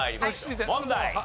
問題。